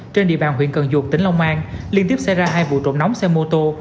trên địa bàn huyện cần duộc tỉnh long an liên tiếp xảy ra hai vụ trộm nóng xe mô tô